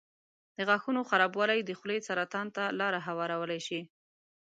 د غاښونو خرابوالی د خولې سرطان ته لاره هوارولی شي.